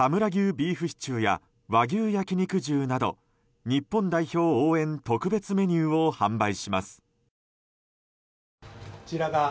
ビーフシチューや和牛焼肉重など日本代表応援特別メニューを販売します。